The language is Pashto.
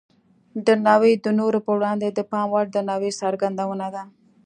درناوی د نورو په وړاندې د پام وړ درناوي څرګندونه ده.